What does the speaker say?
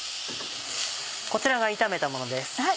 こちらが炒めたものです。